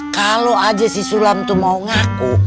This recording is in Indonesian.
kalau aja si sulam itu mau ngaku